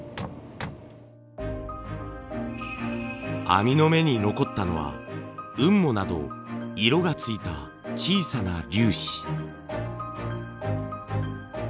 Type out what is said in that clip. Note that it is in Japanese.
網の目に残ったのは雲母など色がついた小さな粒子。